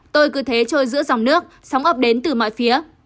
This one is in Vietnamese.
tôi cứ thế trôi giữa dòng nước sóng ốp đến từ mọi phía